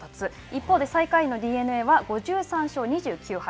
一方で最下位のＤｅＮＡは、５３勝２９敗。